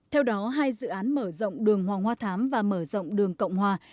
theo đó hai dự án mở rộng đường hoàng hoa thám và mở rộng đường cộng hòa